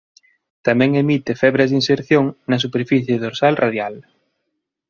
Tamén emite febras de inserción na superficie dorsal radial.